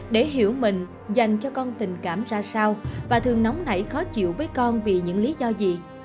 để hiểu mình dành cho con tình cảm ra sao và thường nóng nảy khó chịu với con vì những lý do gì